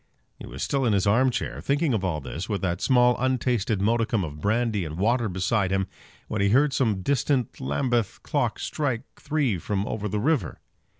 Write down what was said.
He was still in his arm chair, thinking of all this, with that small untasted modicum of brandy and water beside him, when he heard some distant Lambeth clock strike three from over the river.